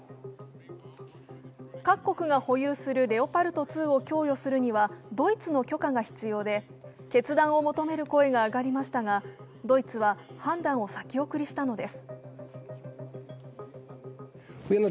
各国が保有するレオパルト２を供与するにはドイツの許可が必要で決断を求める声が上がりましたがドイツは判断を先送りしたのです。